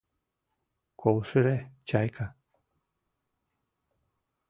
Колшыре — чайка.